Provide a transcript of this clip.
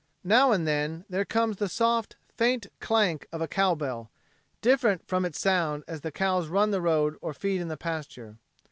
Now and then there comes the soft, faint clank of a cow bell, different from its sound as the cows run the road or feed in the pasture.